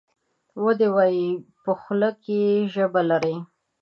ودي وایي ! په خوله کې ژبه لري .